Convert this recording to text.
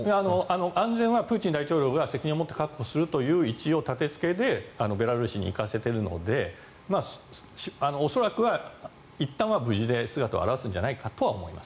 安全はプーチン大統領が責任をもって確保するという一応、建付けでベラルーシに行かせているので恐らくはいったんは無事で姿を現すんじゃないかと思います。